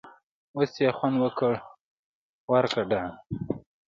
اوس یې خوند وکړ٬ ورکه ډنګ!